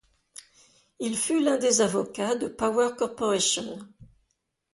Il fut l'un des avocats de Power corporation.